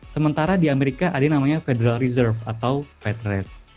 sementara di amerika ada yang namanya federal reserve atau fed race